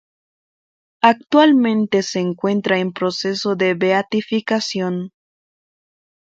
Actualmente se encuentra en proceso de beatificación.